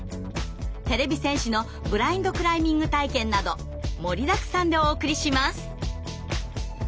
てれび戦士のブラインドクライミング体験など盛りだくさんでお送りします！